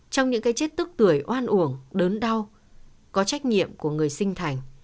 trong những cái chết tức tuổi oan uổng đớn đau có trách nhiệm của người sinh thành